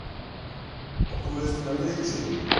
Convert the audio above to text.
O průjezdu neměli tušení.